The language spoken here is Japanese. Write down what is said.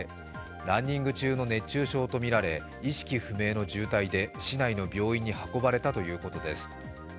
ランニング中の熱中症とみられ意識不明の重体で市内の病院に運ばれたということです。